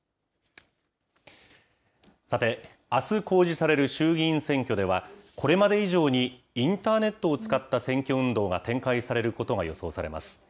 さて、あす公示される衆議院選挙では、これまで以上にインターネットを使った選挙運動が展開されることが予想されます。